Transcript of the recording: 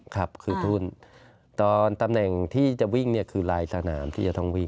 ครับคือทุ่นตอนตำแหน่งที่จะวิ่งเนี่ยคือลายสนามที่จะต้องวิ่ง